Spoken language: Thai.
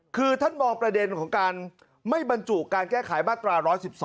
คือท่านมองประเด็นของการไม่บรรจุการแก้ไขมาตรา๑๑๒